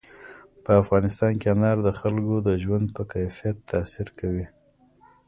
په افغانستان کې انار د خلکو د ژوند په کیفیت تاثیر کوي.